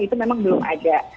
itu memang belum ada